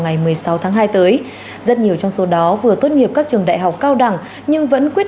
ngày một mươi sáu tháng hai tới rất nhiều trong số đó vừa tốt nghiệp các trường đại học cao đẳng nhưng vẫn quyết